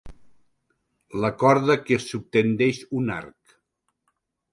La corda que subtendeix un arc.